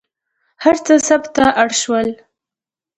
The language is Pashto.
هر څه ثبت ته اړ شول.